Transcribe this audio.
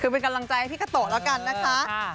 คือเป็นกำลังใจให้พี่กาโตะแล้วกันนะคะ